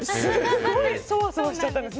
すごいソワソワしちゃったんです。